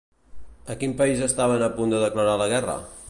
A quin país estaven a punt de declarar la guerra?